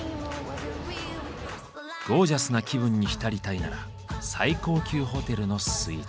ゴージャスな気分に浸りたいなら最高級ホテルのスイーツ。